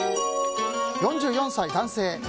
４４歳、男性。